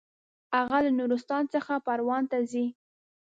هغه له نورستان څخه پروان ته ځي.